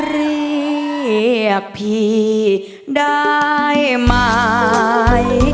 เรียกพี่ได้มั้ย